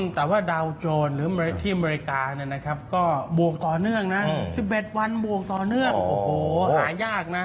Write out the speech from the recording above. แต่ว่าดาวโจรหรือที่อเมริกาเนี่ยนะครับก็บวกต่อเนื่องนะ๑๑วันบวกต่อเนื่องโอ้โหหายากนะ